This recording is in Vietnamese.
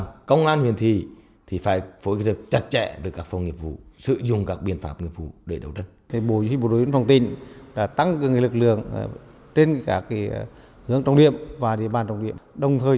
và công an huyền thị thì phải phối hợp chặt chẽ về các phong nghiệp vụ sử dụng các biện pháp nghiệp vụ để đấu tranh